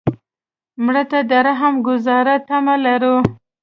مړه ته د رحم ګذار تمه لرو